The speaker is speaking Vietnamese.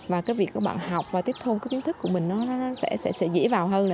và cái việc các bạn học và tiếp thu các kiến thức của mình nó sẽ dễ dàng hơn